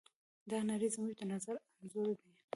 دا نړۍ زموږ د نظر انځور دی.